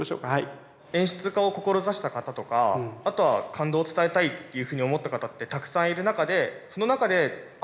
演出家を志した方とかあとは感動を伝えたいというふうに思った方ってたくさんいる中でその中で亞